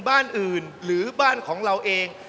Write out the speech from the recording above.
บ้านอื่นหรือบ้านของเราเอง